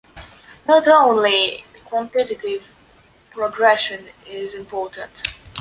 Not only quantitative progression is important.